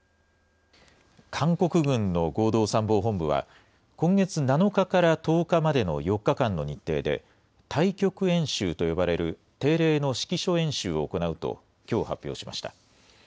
韓国軍の合同参謀本部は、今月７日から１０日までの４日間の日程で、太極演習と呼ばれる定例の指揮所演習を行うときょう発表しました。